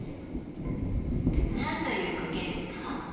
何という苔ですか？